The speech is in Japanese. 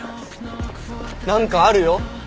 何かあるよ。